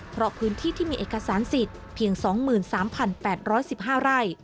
เพราะพื้นที่ที่มีเอกสารสิทธิ์เพียง๒๓๘๑๕ไร่